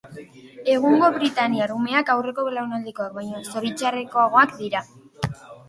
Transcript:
Egungo britainiar umeak aurreko belaunaldietakoak baino zoritxarrekoagoak dira.